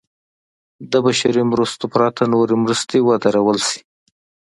د بشري مرستو پرته نورې مرستې ودرول شي.